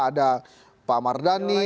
ada pak mardhani